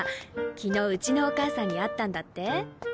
昨日うちのお母さんに会ったんだって？